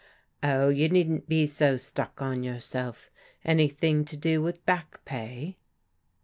" Oh, you needn't be so stuck on yourself. An3rthing to do with back pay